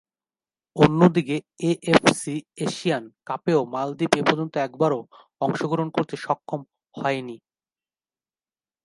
অন্যদিকে, AFC Asian কাপেও মালদ্বীপ এপর্যন্ত একবারও অংশগ্রহণ করতে সক্ষম হয়নি।